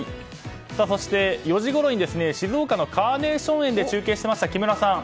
そして４時ごろに静岡のカーネーション園で中継していました木村さん。